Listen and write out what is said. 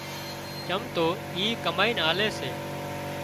چم تواِي ڪمائينَ آلي سي